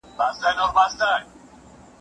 مغولو باید له خلکو سره ښه چلند کړی وای.